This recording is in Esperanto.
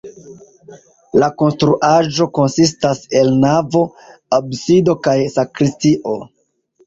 La konstruaĵo konsistas el navo, absido kaj sakristio.